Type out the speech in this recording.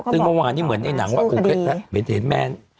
ซึ่งเมื่อวานเหมือนในหนังว่าเป็นเหตุแม่น